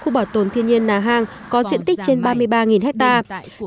khu bảo tồn thiên nhiên nà hàng có diện tích trên ba mươi ba hectare